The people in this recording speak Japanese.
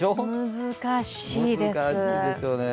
難しいです。